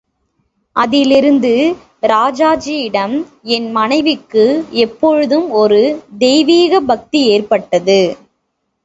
அதிலிருந்து ராஜாஜியிடம் என் மனைவிக்கு எப்பொழுதும் ஒரு தெய்வீக பக்தி ஏற்பட்டது.